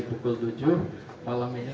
pukul tujuh malam ini